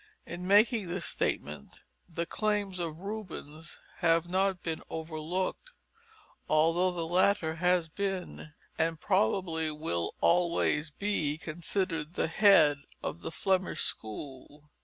In making this statement the claims of Rubens have not been overlooked, although the latter has been, and probably will always be, considered the head of the Flemish school.